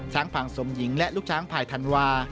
ผังสมหญิงและลูกช้างภายธันวา